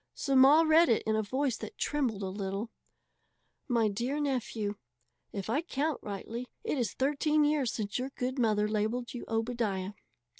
So Ma read it in a voice that trembled a little: MY DEAR NEPHEW: If I count rightly, it is thirteen years since your good mother labelled you Obadiah.